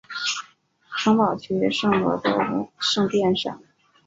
城堡区圣伯多禄圣殿上。